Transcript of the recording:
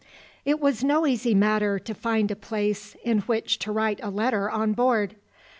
It was no easy matter to find a place in which to write a letter on board.